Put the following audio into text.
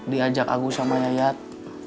diajak aku sama yayat